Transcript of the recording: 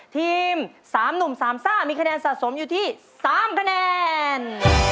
ทีม๓หนุ่ม๓ซ่ามีคะแนนสะสมอยู่ที่๓คะแนน